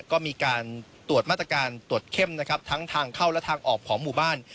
ก็มีการตรวจมาตรการตรวจเข้มนะครับทั้งทางเข้าและทางออกของหมู่บ้าน